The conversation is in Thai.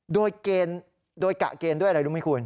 โดยกะเกณฑ์ด้วยอะไรรู้ไหมคุณ